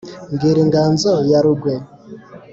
mubwira inganzo ya rugwe.